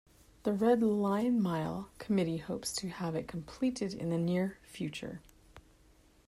The Red Lion Mile committee hopes to have it completed in the near future.